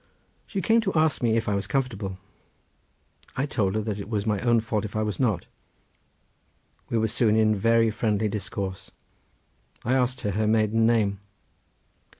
She came to ask me if I was comfortable. I told her that it was my own fault if I was not. We were soon in very friendly discourse. I asked her her maiden name.